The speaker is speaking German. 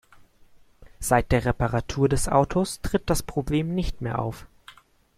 Seit der Reparatur des Autos tritt das Problem nicht mehr auf.